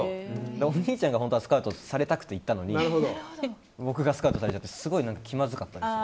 お兄ちゃんが本当はスカウトされたくて行ったのに僕がスカウトされちゃってすごい気まずかったです。